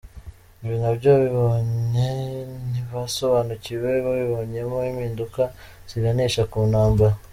Ibi nabyo ababibonye ntibasobanukiwe, babibonyemo impinduka ziganisha ku ntambara.